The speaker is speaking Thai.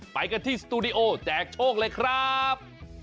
ไปกันที่สตูดิโอแจกโชคเลยครับ